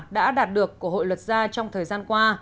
đã đạt được của hội luật gia trong thời gian qua